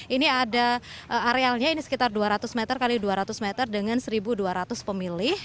ini ada arealnya ini sekitar dua ratus meter x dua ratus meter dengan satu dua ratus pemilih